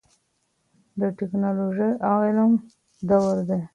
د ټیکنالوژۍ او علم دور دی.